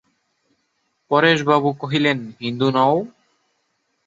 পরেশবাবু কহিলেন, হিন্দু নও!